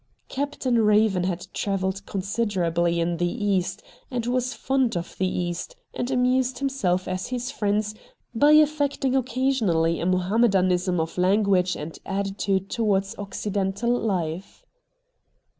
Captain Eaven had travelled considerably in the East, and was fond of the East, and amused himself and his friends by affecting occasionally a Mohammedanism of language and attitude towards occidental hfe.